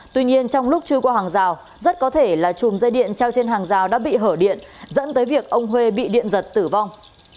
tuy nhiên trong lúc chưa qua hàng rào rất có thể là chùm dây điện treo trên hàng rào đã bị hở điện dẫn tới việc ông huê bị điện giật tử vong